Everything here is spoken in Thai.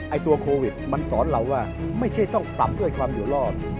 ตัวโควิดมันสอนเราว่าไม่ใช่ต้องปรับด้วยความอยู่รอด